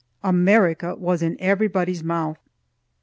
"America" was in everybody's mouth.